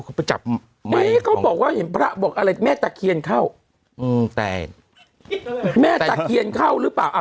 เขาไปจับไหมเขาบอกว่าเห็นพระบอกอะไรแม่ตะเคียนเข้าอืมแต่แม่ตะเคียนเข้าหรือเปล่าอ่ะ